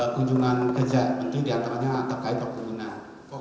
kunjungan keja menteri diantaranya antar kait pembunuhan